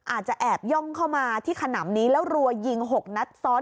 อาจจะแอบย่องเข้ามาที่ขนำนี้แล้วรัวยิง๖นัดซ้อน